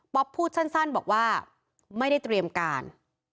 พูดสั้นบอกว่าไม่ได้เตรียมการ